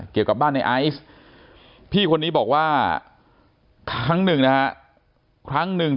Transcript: เกี่ยวกับบ้านในไอซ์พี่คนนี้บอกว่าครั้งหนึ่งนะฮะครั้งหนึ่ง